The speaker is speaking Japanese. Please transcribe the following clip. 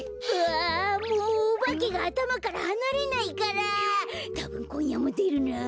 あもうおばけがあたまからはなれないからたぶんこんやもでるな。